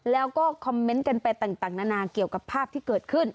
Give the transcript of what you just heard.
แล้วก็คอมเมนต์กันไปต่างนานาเกี่ยวกับภาพที่เกิดขึ้น